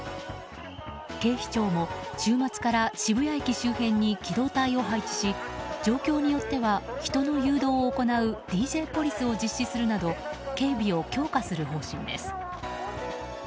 警視庁も週末から渋谷駅周辺に機動隊を配置し状況によっては人の誘導を行うＤＪポリスを実施するなど警備を強化する方針です。